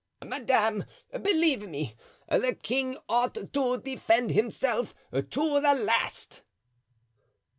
"Madame, believe me, the king ought to defend himself to the last."